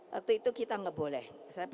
waktu itu kita nggak boleh